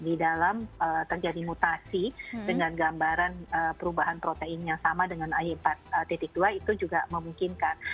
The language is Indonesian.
di dalam terjadi mutasi dengan gambaran perubahan protein yang sama dengan ay empat dua itu juga memungkinkan